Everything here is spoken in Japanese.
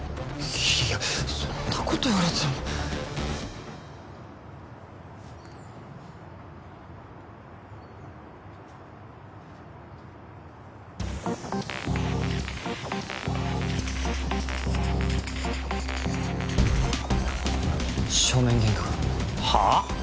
いやそんなこと言われても正面玄関はあっ！？